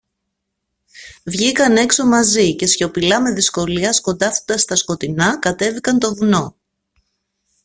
Βγήκαν έξω μαζί, και σιωπηλά, με δυσκολία, σκοντάφτοντας στα σκοτεινά, κατέβηκαν το βουνό.